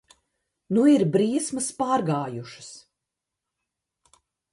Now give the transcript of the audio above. Nu ir briesmas pārgājušas.